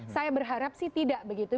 saya berharap sih tidak begitu